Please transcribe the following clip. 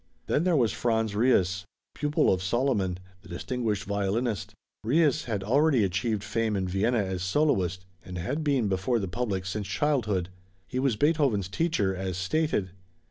Then there was Franz Ries, pupil of Salomon, the distinguished violinist. Ries had already achieved fame in Vienna as soloist, and had been before the public since childhood. He was Beethoven's teacher, as stated.